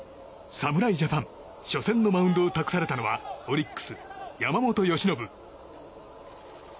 侍ジャパン初戦のマウンドを託されたのはオリックス、山本由伸。